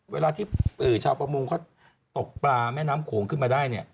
เวลาที่ปื๋อชาวประมุงเขาตกปลาแม่น้ำโขงขึ้นมาได้